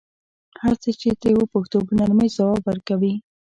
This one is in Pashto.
هر څه چې ترې وپوښتو په نرمۍ ځواب ورکوي.